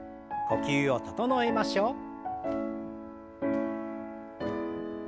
呼吸を整えましょう。